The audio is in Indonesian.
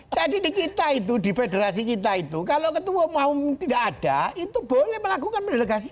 jadi di kita itu di federasi kita itu kalau ketua umum tidak ada itu boleh melakukan mendelegasian